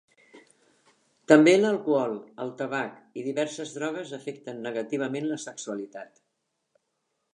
També l'alcohol, el tabac i diverses drogues afecten negativament la sexualitat.